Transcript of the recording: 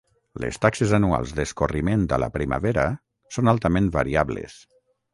Les taxes anuals d'escorriment a la primavera són altament variables.